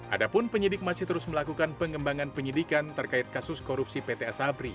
adapun penyidik masih terus melakukan pengembangan penyidikan terkait kasus korupsi pt asabri